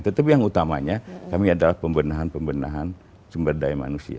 tetapi yang utamanya kami adalah pembenahan pembenahan sumber daya manusia